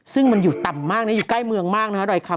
ซึ่งมันอยู่ต่ำมากอยู่ใกล้เมืองมาก